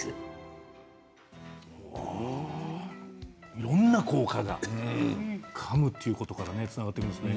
いろんな効果がかむということからつながっているんですね。